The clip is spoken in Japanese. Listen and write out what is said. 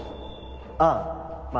ああまあ。